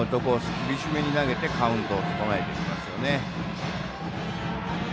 厳しめに投げてカウントを整えていきますよね。